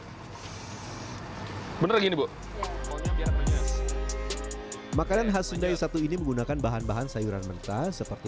hai bener gini bu makanan khas sundai satu ini menggunakan bahan bahan sayuran mentah seperti